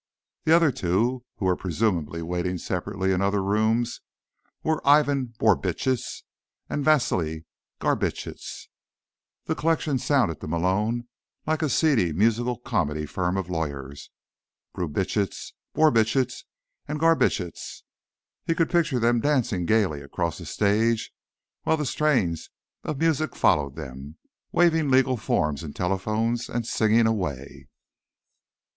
The other two, who were presumably waiting separately in other rooms, were Ivan Borbitsch and Vasili Garbitsch. The collection sounded, to Malone, like a seedy musical comedy firm of lawyers: Brubitsch, Borbitsch and Garbitsch. He could picture them dancing gaily across a stage while the strains of music followed them, waving legal forms and telephones and singing away.